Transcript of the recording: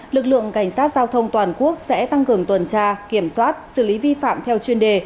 lực lượng cảnh sát giao thông toàn quốc sẽ tăng cường tuần tra kiểm soát xử lý vi phạm theo chuyên đề